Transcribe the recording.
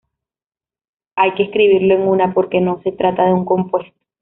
Hay que escribirlo en una, porque no se trata de un compuesto.